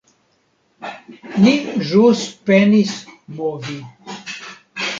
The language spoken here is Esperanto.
Ni ĵus penis movi